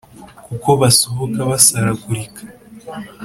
kuko basohoka basaragurika